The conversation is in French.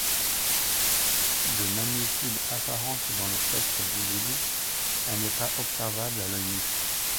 De magnitude apparente dans le spectre visible, elle n'est pas observable à l'œil nu.